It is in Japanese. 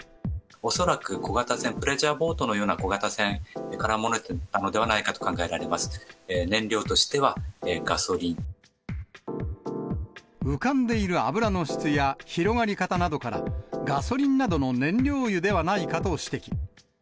恐らく小型船、プレジャーボートのような小型船から漏れたのではないかと考えら浮かんでいる油の質や広がり方などから、ガソリンなどの燃料油ではないかと指摘。